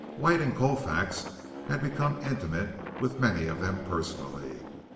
White and Colfax had become intimate with many of them personally.